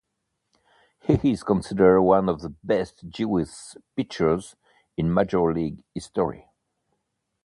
He is considered one of the best Jewish pitchers in major league history.